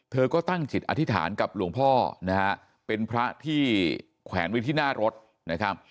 เธอก็ตั้งจิตอธิษฐานกับหลวงพ่อนะฮะเป็นพระที่แขวนไว้ที่หน้ารถนะครับ